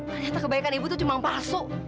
ternyata kebaikan ibu itu cuma palsu